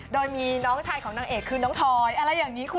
โดยมีน้องชายของนางเอกคือน้องทอยอะไรอย่างนี้คุณ